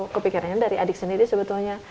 kepikirannya dari adik sendiri sebetulnya